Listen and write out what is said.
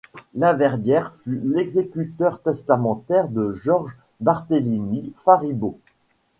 Laverdière fut l'exécuteur testamentaire de Georges-Barthélemi Faribault.